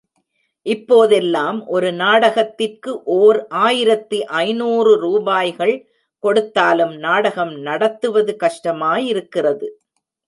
இப்போதெல்லாம் ஒரு நாடகத்திற்கு ஓர் ஆயிரத்து ஐநூறு ரூபாய்கள் கொடுத்தாலும் நாடகம் நடத்துவது கஷ்டமாயிருக்கிறது.